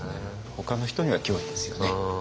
ほかの人には脅威ですよね。